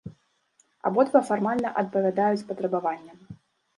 Абодва фармальна адпавядаюць патрабаванням.